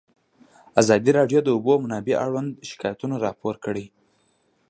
ازادي راډیو د د اوبو منابع اړوند شکایتونه راپور کړي.